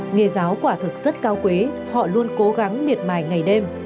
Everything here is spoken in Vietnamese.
nghề giáo quả thực rất cao quế họ luôn cố gắng miệt mài ngày đêm